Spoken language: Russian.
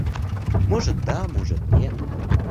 Может, да, может, нет.